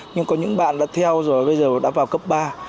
nhưng có những bạn đã theo rồi bây giờ đã vào cấp ba